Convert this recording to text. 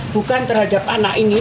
bukan terhadap anak ini